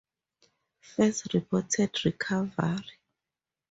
First reported recovery.